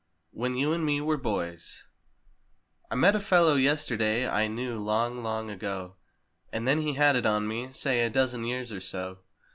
"WHEN YOU AND ME WERE BOYS" I met a fellow yesterday I knew long, long ago. And then he had it on me, say a dozen years or so.